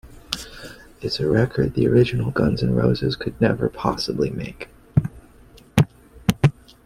It's a record that the original Guns N' Roses could never possibly make.